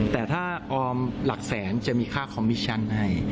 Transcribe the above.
แต่ถ้าออมหลักแสนจะมีค่าคอมมิชชั่นให้